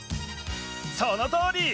そのとおり！